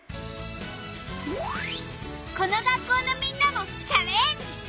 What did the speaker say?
この学校のみんなもチャレンジ！